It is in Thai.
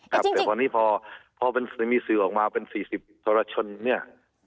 แต่พอนี้พอมันมีสื่อออกมาเป็น๔๐ทรชนเนี่ย